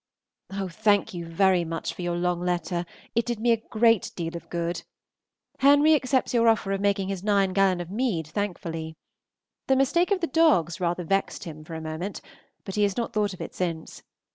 Oh, thank you very much for your long letter; it did me a great deal of good. Henry accepts your offer of making his nine gallon of mead thankfully. The mistake of the dogs rather vexed him for a moment, but he has not thought of it since.